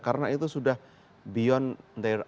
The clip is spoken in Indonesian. karena itu sudah beyond their autonomy